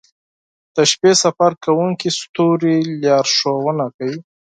• د شپې سفر کوونکي ستوري لارښونه کوي.